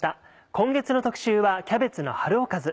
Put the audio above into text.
今月の特集は「キャベツの春おかず」。